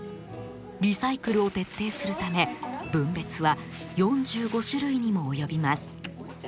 リサイクルを徹底するため分別は４５種類にも及びます。